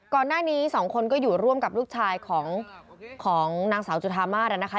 ก่อนหน้านี้สองคนก็อยู่ร่วมกับลูกชายของนางสาวจุธามาสนะคะ